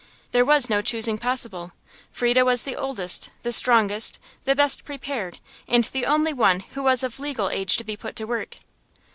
There was no choosing possible; Frieda was the oldest, the strongest, the best prepared, and the only one who was of legal age to be put to work.